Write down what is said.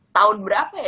tahun berapa ya